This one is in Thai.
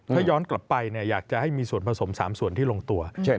ถ้าย้อนกลับไปอยากจะให้มีส่วนผสม๓ส่วนที่ลงตัวเช่น